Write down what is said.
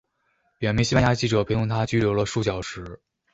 两名西班牙记者陪同她拘留了数小时。